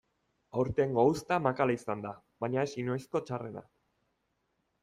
Aurtengo uzta makala izan da baina ez inoizko txarrena.